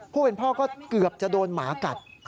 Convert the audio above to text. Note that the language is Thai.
ผู้เป็นพ่อก็เกือบจะโดนหมากัด